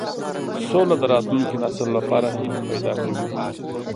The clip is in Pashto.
سوله د راتلونکي نسل لپاره هیلې پیدا کوي.